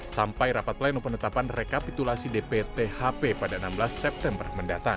sampai rapat lain penetapan rekapitulasi dpt hp pada enam belas september mendatang